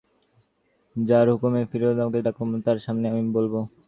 যাঁর হুকুমে ফিরিয়ে দিলুম তাঁকে ডাকুন, তাঁর সামনে আমি বলব।